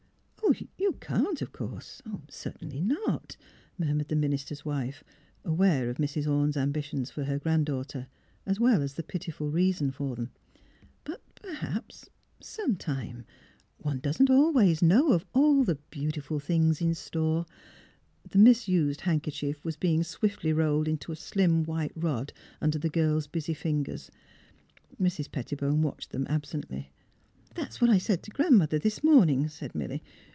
"'' You can't, of course — certainly not," mur mured the minister's wife, aware of Mrs. Orne's ambitions for her grand daughter, as well as the pitiful reason for them. '' But, perhaps — some time One doesn't always know of all the beautiful things in store " The misused handkerchif was being swiftly rolled into a slim white rod under the girl 's busy fingers. Mrs. Pettibone watched them absently. '* That's what I said to Gran 'mother this. 96 THE HEAET OF PHILURA morning," said Milly.